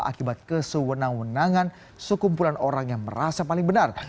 akibat kesewenang wenangan sekumpulan orang yang merasa paling benar